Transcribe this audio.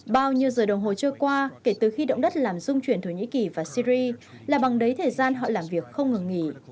bao nhiêu giờ đồng hồ trôi qua kể từ khi động đất làm dung chuyển thổ nhĩ kỳ và syri là bằng đấy thời gian họ làm việc không ngừng nghỉ